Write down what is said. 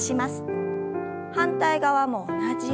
反対側も同じように。